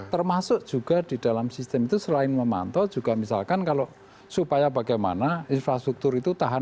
termasuk juga di dalam sistem itu selain memantau juga misalkan kalau supaya bagaimana infrastruktur itu tahan